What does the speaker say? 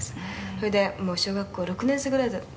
「それでもう小学校６年生ぐらいの時ですかね